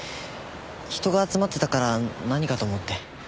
人が集まってたから何かと思って。